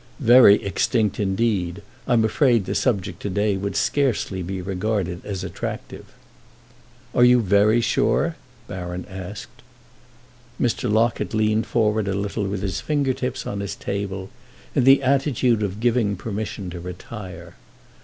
"Very extinct indeed. I'm afraid the subject today would scarcely be regarded as attractive." "Are you very sure?" Baron asked. Mr. Locket leaned forward a little, with his fingertips on his table, in the attitude of giving permission to retire.